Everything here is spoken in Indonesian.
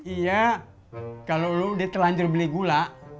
iya kalau lo dia telanjur beli gula